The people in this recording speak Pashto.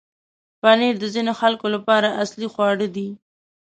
پنېر د ځینو خلکو لپاره اصلي خواړه دی.